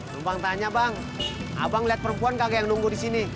numpang tanya bang abang liat perempuan kagak yang nunggu disini